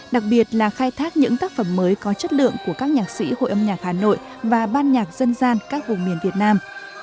đặc biệt là khai thác những tác phẩm mới có chất lượng của các nhạc sĩ hội âm nhạc hà nội và ban nhạc dân gian các vùng miền việt nam